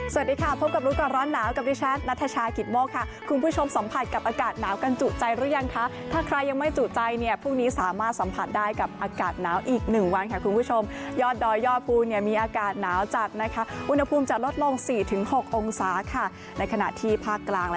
สวัสดีค่ะพบกับรู้ก่อนร้อนหนาวกับดิฉันนัทชายกิตโมกค่ะคุณผู้ชมสัมผัสกับอากาศหนาวกันจุใจหรือยังคะถ้าใครยังไม่จุใจเนี่ยพรุ่งนี้สามารถสัมผัสได้กับอากาศหนาวอีกหนึ่งวันค่ะคุณผู้ชมยอดดอยยอดภูเนี่ยมีอากาศหนาวจัดนะคะอุณหภูมิจะลดลง๔๖องศาค่ะในขณะที่ภาคกลาง